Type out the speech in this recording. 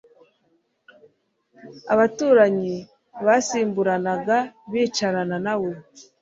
Abaturanyi basimburanaga bicarana na we